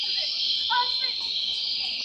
o څه را مه که، زړه مي ازار مه که.